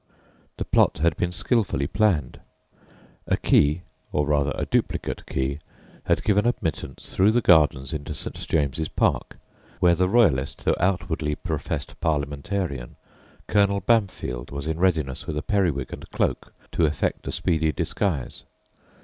The plot had been skilfully planned. A key, or rather a duplicate key, had given admittance through the gardens into St. James's Park, where the Royalist, though outwardly professed Parliamentarian, Colonel Bamfield was in readiness with a periwig and cloak to effect a speedy disguise.